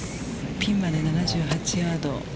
ピンまで７８ヤード。